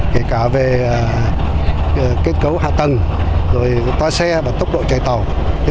kể cả về kết cấu hạ tầng toa xe và tốc độ chạy tàu